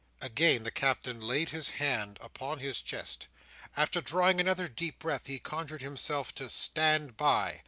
Again the Captain laid his hand upon his chest. After drawing another deep breath, he conjured himself to "stand by!"